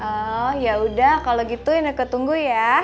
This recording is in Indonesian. oh yaudah kalau gitu ineke tunggu ya